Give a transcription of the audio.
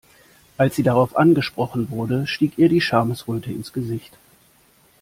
Als sie darauf angesprochen wurde, stieg ihr die Schamesröte ins Gesicht.